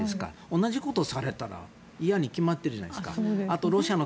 同じことをされたら嫌に決まってるじゃないですか。